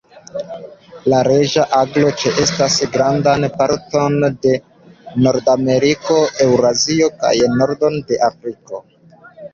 La Reĝa aglo ĉeestas grandan parton de Nordameriko, Eŭrazio kaj nordon de Afriko.